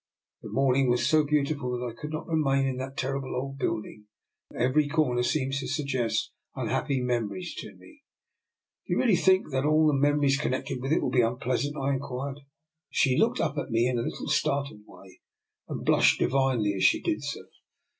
" The morning was so beautiful that I could not remain in that terrible old building. Every corner seems to suggest unhappy memories to me." " Do you really think all the memories connected with it will be unpleasant? " I in quired. She looked up at me in a little startled way, and blushed divinely as she did so.